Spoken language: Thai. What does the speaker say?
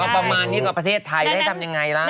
ประมาณนี้ก็ประเทศไทยแล้วให้ทำยังไงแล้ว